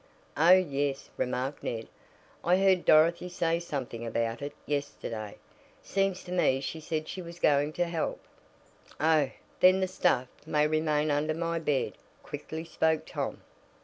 "Oh, yes," remarked Ned, "I heard Dorothy say something about it yesterday. Seems to me she said she was going to help." "Oh, then the stuff may remain under my bed," quickly spoke Tom.